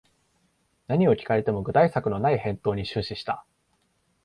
何を聞かれても具体策のない返答に終始した